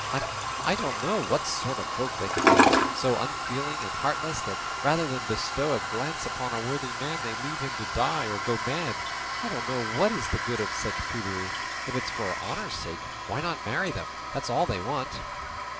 I don't know what sort of folk they can be, so unfeeling and heartless, that rather than bestow a glance upon a worthy man they leave him to die or go mad. I don't know what is the good of such prudery; if it is for honour's sake, why not marry them? That's all they want."